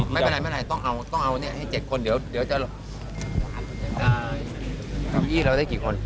เที่ยวแรกวันนี้เป็น๒๐๑บินครับ